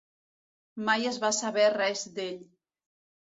Mai es va saber res d'ell.